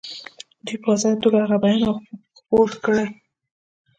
دوی په آزاده توګه هغه بیان او خپور کړي.